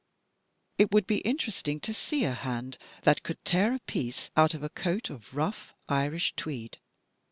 It would be interesting to see a hand that could tear a piece out of a coat of rough Irish tweed!